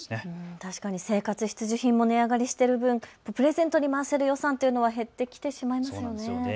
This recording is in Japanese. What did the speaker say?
確かに生活必需品も値上がりしている分、プレゼントに回せる予算というのは減ってきてしまいそうなんですよね。